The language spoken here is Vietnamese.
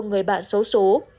người bạn xấu xố